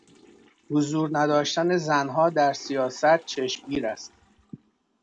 حضور نداشتن زنها در سیاست چشمگیر است.